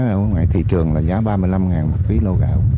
ở ngoài thị trường là giá ba mươi năm ngàn một quý lô gạo